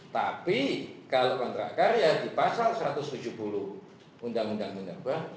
tapi kalau kontrak karya di pasal satu ratus tujuh puluh undang undang minerba